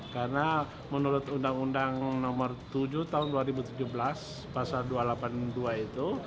karena menurut undang undang nomor tujuh tahun dua ribu tujuh belas pasar dua ratus delapan puluh dua itu